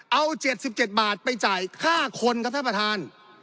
เอา๗๗บาทไปจ่ายค่าคนครับท่านประธาน